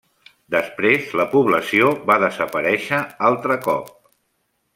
Després la població va desaparèixer altre cop.